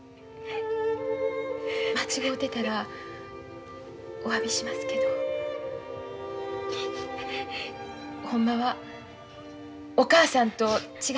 間違うてたらおわびしますけどほんまはお母さんと違いますか？